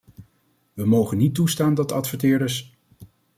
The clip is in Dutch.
We mogen niet toestaan dat adverteerders...